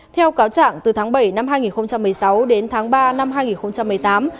theo cáo trạng từ tháng bảy năm hai nghìn một mươi sáu đến tháng ba năm hai nghìn một mươi tám